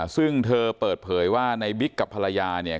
ซึ่งเธอเปิดเผยว่าในบิ๊กกับภรรยาเนี่ย